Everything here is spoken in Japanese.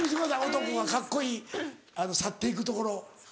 男がカッコいい去っていくところ。